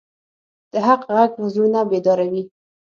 د حق غږ زړونه بیداروي